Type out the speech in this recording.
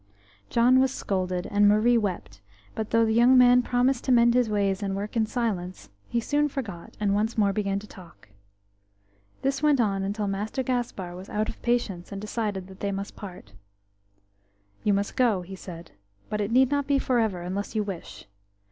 John was scolded, and Marie wept; but though the young man promised to mend his ways and work in silence, he soon forgot, and once more began to talk. This went on until Master Gaspar was out of patience, and decided that they must part. "You must go," he said, "but it need not be for ever unless you wish.